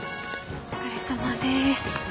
お疲れさまです。